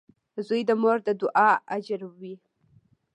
• زوی د مور د دعا اجر وي.